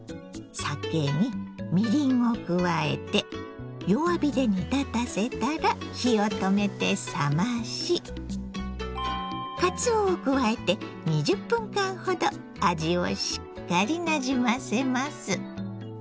酒にみりんを加えて弱火で煮立たせたら火を止めて冷ましかつおを加えて２０分間ほど味をしっかりなじませます。